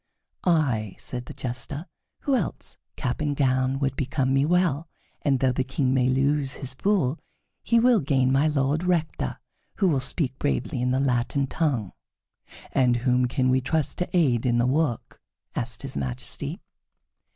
"I," said the Jester. "Who else? Cap and gown would become me well, and though the King may lose his fool, he will gain My Lord Rector, who will speak bravely in the Latin tongue." "And whom can we trust to aid in the work?" asked his Majesty.